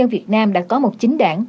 việt nam đã có một chính đảng